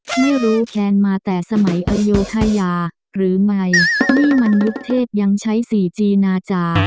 ไม่รู้แคนมาแต่สมัยอโยธยาหรือไม่นี่มันยุคเทพยังใช้สี่จีนาจา